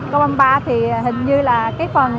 câu ba mươi ba thì hình như là cái phần